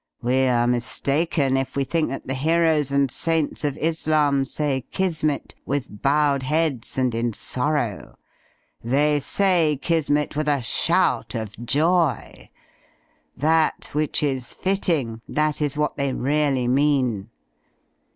We are mistaken if we think that the heroes and saints of Islam say *Kismet' with bowed heads and in sorrow. They say 'Kismet' 3o6 THE FLYING INN with a shout of joy. That which is fitting — ^that is what they really mean.